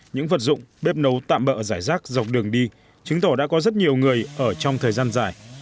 những vật dụng bếp nấu tạm bỡ giải rác dọc đường đi chứng tỏ đã có rất nhiều người ở trong thời gian dài